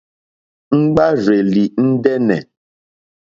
Ŋɡbárzèlì ndɛ́nɛ̀.